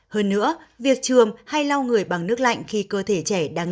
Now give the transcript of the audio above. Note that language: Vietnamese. hơn nữa việc chườm hay lau người bằng nước lạnh khi cơ thể trẻ đang ngất